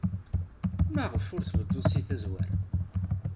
Maɣef ur d-tbeddud seg tazwara?